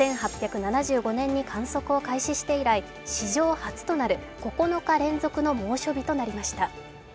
１８７５年に観測を開始して以来、史上初となる９日連続の猛暑日となりました。